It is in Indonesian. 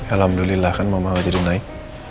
alhamdulillah kan mama udah jadi naik